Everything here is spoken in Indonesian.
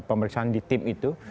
pemeriksaan di tim itu